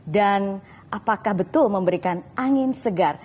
dan apakah betul memberikan angin segar